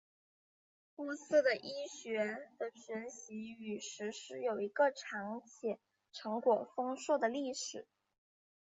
波斯的医学的学习与实施有一个长且成果丰硕的历史。